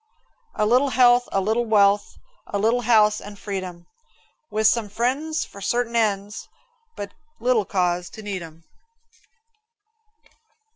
A little health, a little wealth, A little house and freedom, With some friends for certain ends, But little cause to need 'em.